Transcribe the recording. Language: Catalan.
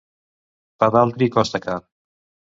Pa d'altri costa car.